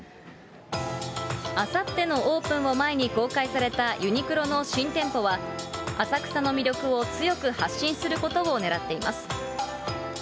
あさってのオープンを前に公開されたユニクロの新店舗は、浅草の魅力を強く発信することをねらっています。